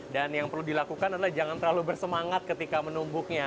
dan yang perlu dilakukan adalah jangan terlalu bersemangat ketika menumbuknya